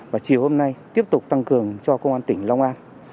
và chiều hôm nay tiếp tục tăng cường cho công an tỉnh long an